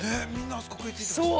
◆食いついてましたね。